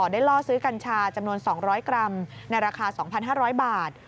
ล่อซื้อกัญชาจำนวน๒๐๐กรัมในราคา๒๕๐๐บาท